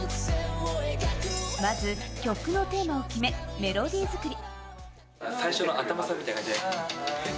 まず、曲のテーマを決め、メロディー作り。